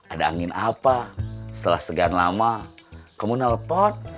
ada angin apa setelah segian lama kamu nelfon